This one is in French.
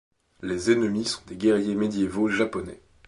Les ennemis sont des guerriers médiévaux japonais.